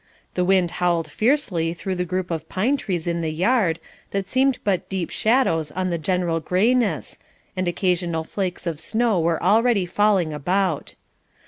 The wind howled fiercely through the group of pine trees in the yard, that seemed but deep shadows on the general grayness, and occasional flakes of snow were already flying about.